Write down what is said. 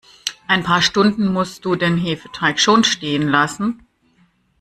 Ein paar Stunden musst du den Hefeteig schon stehen lassen.